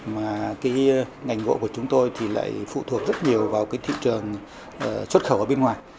mà ngành gỗ của chúng tôi lại phụ thuộc rất nhiều vào thị trường xuất khẩu ở bên ngoài